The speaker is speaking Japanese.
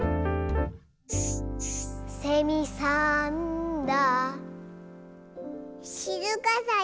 「せみさんだ」